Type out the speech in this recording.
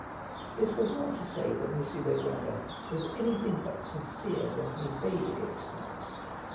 This was not to say that M. Legrandin was anything but sincere when he inveighed against snobs.